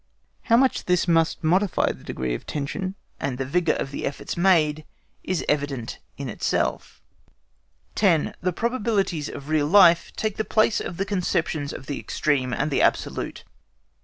How much this must modify the degree of tension, and the vigour of the efforts made, is evident in itself. 10. THE PROBABILITIES OF REAL LIFE TAKE THE PLACE OF THE CONCEPTIONS OF THE EXTREME AND THE ABSOLUTE.